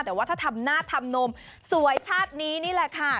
แต่ว่าถ้าทำหน้าทำนมสวยชาตินี้นี่แหละค่ะ